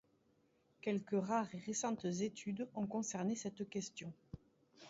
Quelques rares et récentes études ont concerné cette question.